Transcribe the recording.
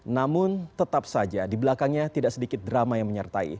namun tetap saja di belakangnya tidak sedikit drama yang menyertai